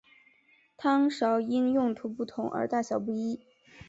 汤勺因用途不同而大小不一。